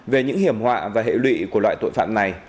về những hiểm họa và hệ lụy của loại tội phạm này